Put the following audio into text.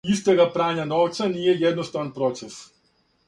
Истрага прања новца није једноставан процес.